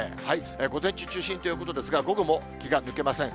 午前中中心ということですが、午後も気が抜けません。